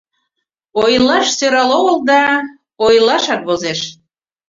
— Ойлаш сӧрал огыл да... ойлашак возеш.